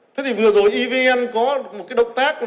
thế thì vừa rồi evn có một cái động tác